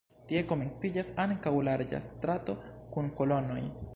Tie komenciĝas ankaŭ larĝa strato kun kolonoj.